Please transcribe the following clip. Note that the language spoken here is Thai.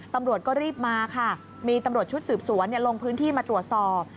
ตำรวจก็รีบมาค่ะมีตำรวจชุดสืบสวนลงพื้นที่มาตรวจสอบ